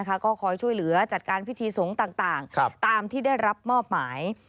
ก็คอยช่วยเหลือจัดการพิธีสงฆ์ต่างตามที่ได้รับมอบหมาย